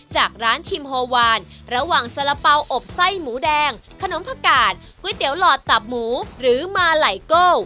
จากร้านชิมโฮวานระหว่างสาระเป๋าอบไส้หมูแดงขนมผักกาดก๋วยเตี๋ยวหลอดตับหมูหรือมาไหลโก้